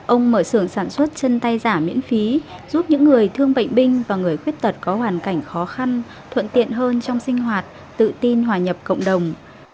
ông mở xưởng sản xuất chân tay giả miễn phí giúp những người thương bệnh binh và người khuyết tật có hoàn cảnh khó khăn thuận tiện hơn trong sinh hoạt tự tin hòa nhập cộng đồng